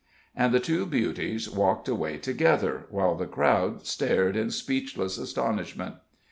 And the two beauties walked away together, while the crowd stared in speechless astonishment.